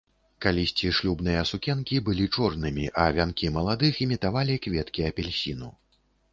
Калісьці шлюбныя сукенкі былі чорнымі, а вянкі маладых імітавалі кветкі апельсіну.